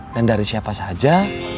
dan dari siapa saja